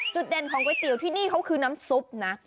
เด่นของก๋วยเตี๋ยวที่นี่เขาคือน้ำซุปนะ